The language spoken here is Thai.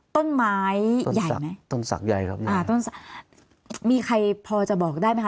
ต้นไม้ใหญ่ไหมต้นสักใหญ่ครับอ่าต้นศักดิ์มีใครพอจะบอกได้ไหมคะ